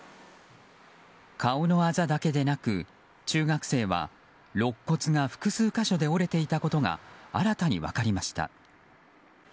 顔のあざだけでなく、中学生は肋骨が複数箇所で折れていたことが新たに分かりました。